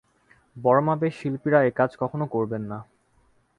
বড় মাপের শিল্পীরা এ-কাজ কখনো করবেন না।